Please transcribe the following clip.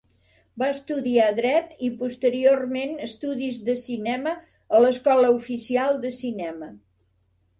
Va estudiar dret i posteriorment estudis de cinema a l'Escola Oficial de Cinema.